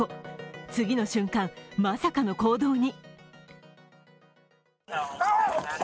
次の瞬間、まさかの行動に。